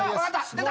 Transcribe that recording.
出た！